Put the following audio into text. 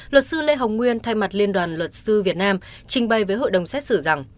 luật sư lê hồng nguyên thay mặt liên đoàn luật sư việt nam trình bày với hội đồng xét xử rằng